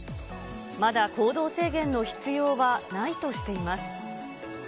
まだ行動制限の必要はないとしています。